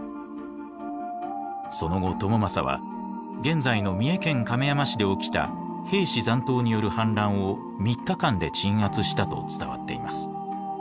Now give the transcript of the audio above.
その後朝雅は現在の三重県亀山市で起きた平氏残党による反乱を３日間で鎮圧したと伝わっています。